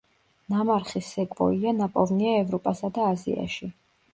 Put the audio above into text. ნამარხი სეკვოია ნაპოვნია ევროპასა და აზიაში.